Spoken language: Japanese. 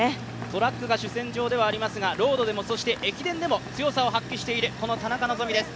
トラックが主戦場ではありますが、ロードでも駅伝でも強さを発揮している田中希実です